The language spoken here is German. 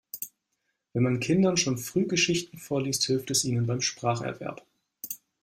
Wenn man Kindern schon früh Geschichten vorliest, hilft es ihnen beim Spracherwerb.